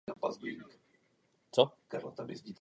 Existují však i další teorie.